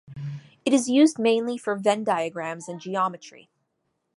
It is used mainly for Venn diagrams and geometry.